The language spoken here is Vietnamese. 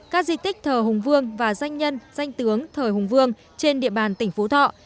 các di tích thờ hùng vương và danh nhân danh tướng thờ hùng vương trên địa bàn tỉnh phú thọ